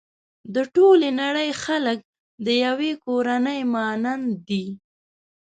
د ټولې نړۍ خلک د يوې کورنۍ مانند دي.